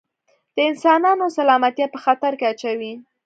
د انسانانو سلامتیا په خطر کې اچوي.